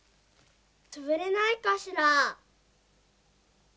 つぶれないかしら？